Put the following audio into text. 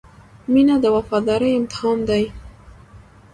• مینه د وفادارۍ امتحان دی.